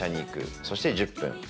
そして１０分。